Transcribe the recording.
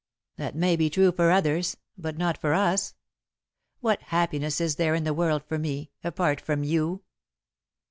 "That may be true for others, but not for us. What happiness is there in the world for me, apart from you?"